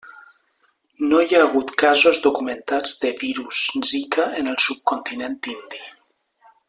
No hi ha hagut casos documentats de virus Zika en el subcontinent indi.